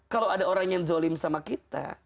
kalau ada orang yang zolim sama kita